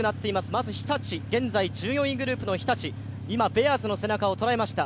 まず現在１４位グループの日立、ベアーズの背中を捉えました。